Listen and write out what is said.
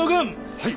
はい。